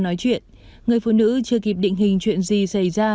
nói chuyện người phụ nữ chưa kịp định hình chuyện gì xảy ra